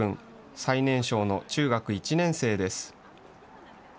最年少の中学１年生です。